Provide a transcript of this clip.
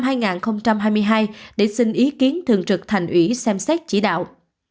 đảng hai mươi hai để xin ý kiến thường trực thành ủy xem xét chỉ đạo